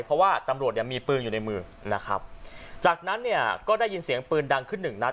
เพราะว่าตำรวจมีปืนอยู่ในมือจากนั้นก็ได้ยินเสียงปืนดังขึ้นหนึ่งนัด